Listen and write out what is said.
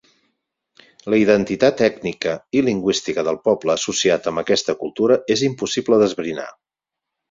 La identitat ètnica i lingüística del poble associat amb aquesta cultura és impossible d'esbrinar.